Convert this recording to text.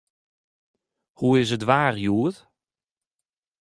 Hoe is it waar hjoed?